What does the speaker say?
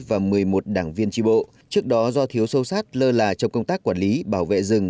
và một mươi một đảng viên tri bộ trước đó do thiếu sâu sát lơ là trong công tác quản lý bảo vệ rừng